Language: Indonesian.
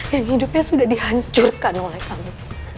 yang hidupnya sudah dihancurkan oleh kami